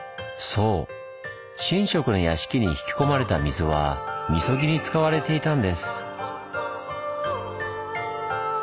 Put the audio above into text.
そう神職の屋敷に引き込まれた水は禊に使われていたんです。